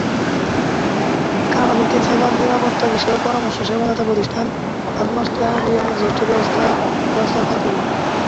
কানাডাভিত্তিক cyber নিরাপত্তাবিষয়ক পরামর্শ সেবাদাতা প্রতিষ্ঠান আর্নস্ট অ্যান্ড ইয়াংয়ের জ্যেষ্ঠ ব্যবস্থাপক ফাহাদ কবির।